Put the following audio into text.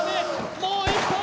もう１本。